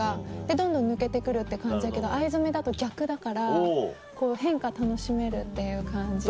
どんどん抜けて来るって感じだけど藍染めだと逆だからこう変化楽しめるっていう感じで。